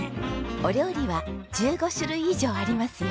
お料理は１５種類以上ありますよ。